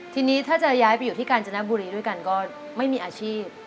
ทีนี้ถ้าจะย้ายไปอยู่ที่กาญจนบุรีด้วยกันก็ไม่มีอาชีพ